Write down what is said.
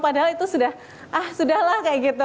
padahal itu sudah ah sudah lah kayak gitu